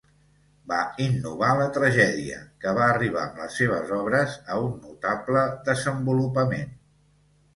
Va innovar la tragèdia que va arribar amb les seves obres a un notable desenvolupament.